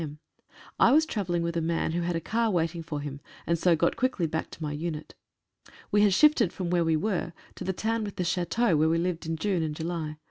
m. I was travelling with a man who had a car waiting for him, and so got quickly back to my unit. We had shifted from where we were to the town with the chateau, where we lived in June and July.